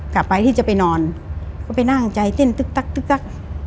กลับไปที่จะไปนอนก็ไปนั่งใจเต้นตึ๊กตั๊กตั๊ก